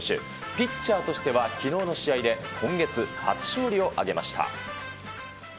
ピッチャーとしてはきのうの試合で今月初勝利を挙げました。